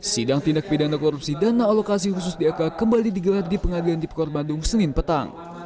sidang tindak pidana korupsi dana alokasi khusus dak kembali digelar di pengadilan tipkor bandung senin petang